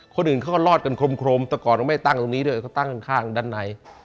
คนอื่นเขาก็รอดกันคลมแต่ก่อนเราไม่ตั้งตรงนี้ด้วยเขาตั้งข้างด้านใน